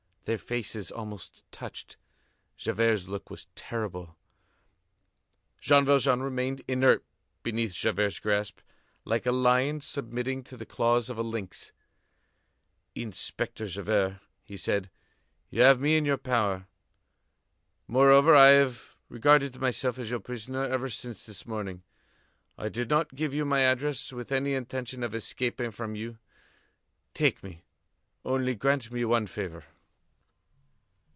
Their faces almost touched. Javert's look was terrible. Jean Valjean remained inert beneath Javert's grasp, like a lion submitting to the claws of a lynx. "Inspector Javert," said he, "you have me in your power. Moreover, I have regarded myself as your prisoner ever since this morning. I did not give you my address with any intention of escaping from you. Take me. Only grant me one favor."